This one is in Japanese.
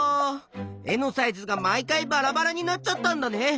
絵のサイズが毎回バラバラになっちゃったんだね。